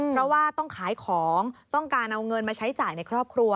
เพราะว่าต้องขายของต้องการเอาเงินมาใช้จ่ายในครอบครัว